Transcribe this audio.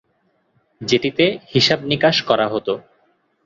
যেটিতে হিসাব-নিকাশ করা হত।